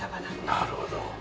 なるほど。